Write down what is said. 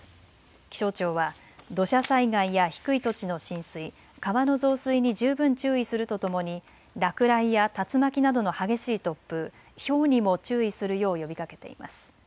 気象庁は土砂災害や低い土地の浸水、川の増水に十分注意するとともに落雷や竜巻などの激しい突風、ひょうにも注意するよう呼びかけています。